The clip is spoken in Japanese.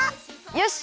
よし！